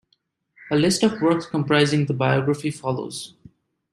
A list of works comprising the "Biography" follows.